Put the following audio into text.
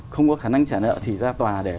không có khả năng trả nợ thì ra tòa để